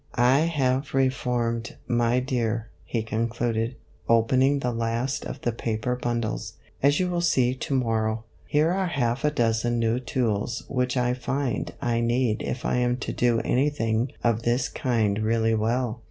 " I have reformed, my dear," he concluded, open ing the last of the paper bundles, as you will see to morrow ; here are half a dozen new tools which I find I need if I am to do anything of this kind really well.